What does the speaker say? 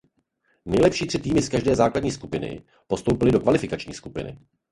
Nejlepší tři týmy z každé základní skupiny postoupily do kvalifikační skupiny.